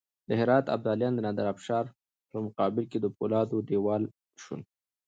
د هرات ابدالیان د نادرافشار په مقابل کې د فولادو دېوال شول.